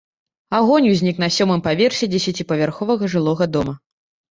Агонь узнік на сёмым паверсе дзесяціпавярховага жылога дома.